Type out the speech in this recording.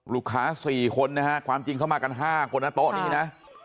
ลูกค้า๔คนนะฮะความจริงเข้ามากัน๕คนนะโต๊ะนี้นะ